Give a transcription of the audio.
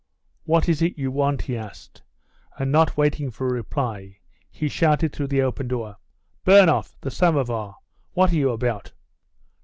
"What is it you want?" he asked, and, not waiting for a reply, he shouted through the open door: "Bernoff, the somovar! What are you about?"